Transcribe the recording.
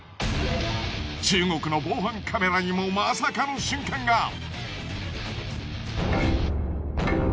中国の防犯カメラにもまさかの瞬間が。